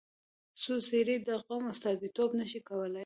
څو څېرې د قوم استازیتوب نه شي کولای.